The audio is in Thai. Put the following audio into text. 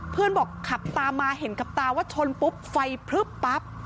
เพื่อนบอกขับตามมาเห็นกับตาว่าชนปุ๊บไฟพลึบปั๊บ